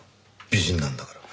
美人なんだから。